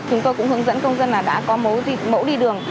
chúng tôi cũng hướng dẫn công dân là đã có mẫu đi đường